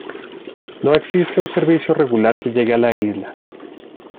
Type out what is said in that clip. No existe un servicio regular que llegue a la isla.